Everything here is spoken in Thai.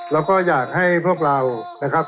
แล้วก็อยากให้พวกเรานะครับ